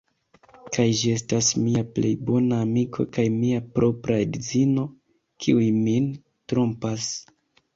Kaj ĝi estas mia plej bona amiko kaj mia propra edzino, kiuj min trompas!